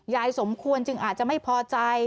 สมควรจึงอาจจะไม่พอใจ